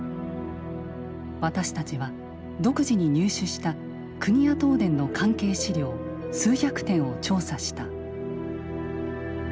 私たちは独自に入手した国や東電の関係資料数百点を調査した。